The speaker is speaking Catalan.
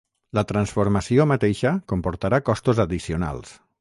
La transformació mateixa comportarà costos addicionals.